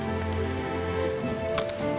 aku ngeri kok pak